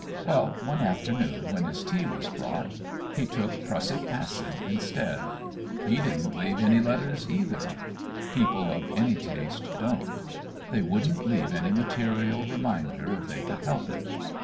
Well, one afternoon when his tea was brought, he took prussic acid instead. He didn't leave any letters, either; people of any taste don't. They wouldn't leave any material reminder if they could help it.